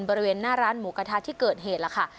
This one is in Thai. บริเวณหน้าร้านหมูกระทะที่เกิดเหตุล่ะค่ะ